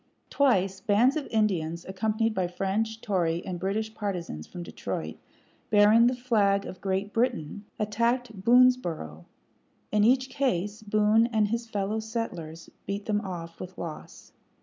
Twice bands of Indians, accompanied by French, Tory, and British partizans from Detroit, bearing the flag of Great Britain, attacked Boonesboroug. In each case Boone and his fellow settlers beat them off with loss.